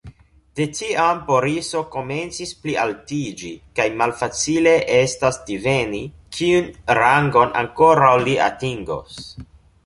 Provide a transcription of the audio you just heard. De tiam Boriso komencis plialtiĝi, kaj malfacile estas diveni, kiun rangon ankoraŭ li atingos.